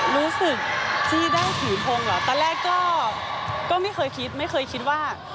รู้สึกที่ได้ถือทงเหรอตอนแรกก็ไม่เคยคิดไม่เคยคิดว่า